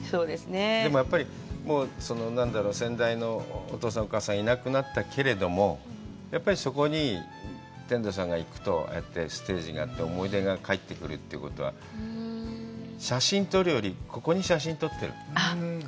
でもやっぱり先代のお父さんお母さんいなくなったけれども、やっぱり、そこに天童さんが行くと、ああやってステージがあって思い出が帰ってくるということは、写真撮るよりここに写真撮ってる。